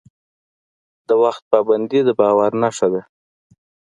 د وخت پابندي د باور نښه ده.